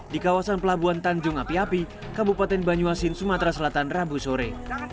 di kawasan pelabuhan tanjung api api kabupaten banyuasin sumatera selatan rabu sore